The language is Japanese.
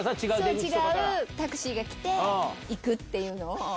違うタクシーが来て行くっていうのを。